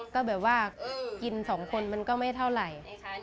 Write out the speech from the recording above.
ก็แบบว่ากินสองคนมันก็ไม่เท่าไหร่